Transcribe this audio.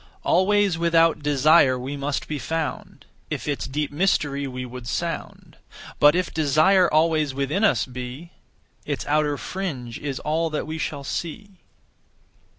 Always without desire we must be found, If its deep mystery we would sound; But if desire always within us be, Its outer fringe is all that we shall see.